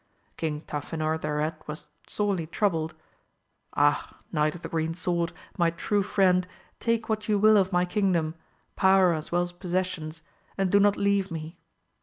King 254 AMADI8 OF GAUL. Tafinor thereat was sorely troubled, — Ah, Eiiight of the Green Sword, my true friend, take what you will of my kingdom, power as well as possessions, and do not leave me